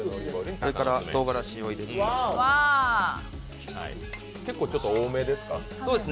それからとうがらしを入れていきます。